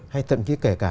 hay thậm chí kể cả